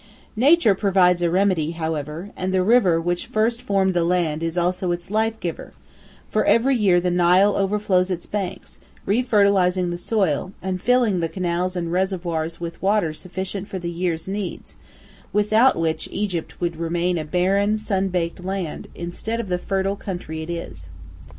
Nature provides a remedy, however, and the river which first formed the land is also its life giver, for every year the Nile overflows its banks, re fertilizing the soil, and filling the canals and reservoirs with water sufficient for the year's needs, without which Egypt would remain a barren, sun baked land, instead of the fertile country it is.